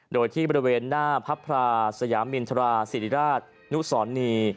โดยที่บริเวณหน้าพระพราสยามินทราศิริราชนุสรนี